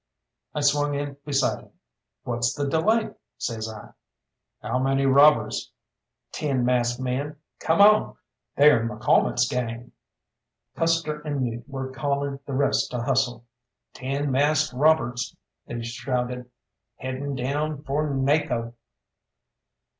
I swung in beside him. "What's the delay?" says I. "How many robbers?" "Ten masked men, come on! They're McCalmont's gang." Custer and Ute were calling the rest to hustle. "Ten masked robbers," they shouted, "heading down for Naco!"